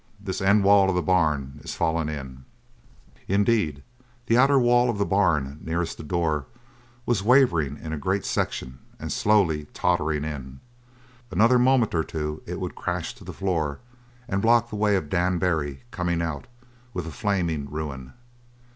This end wall of the barn is fallin' in." Indeed, the outer wall of the barn, nearest the door, was wavering in a great section and slowly tottering in. Another moment or two it would crash to the floor and block the way of Dan Barry, coming out, with a flaming ruin.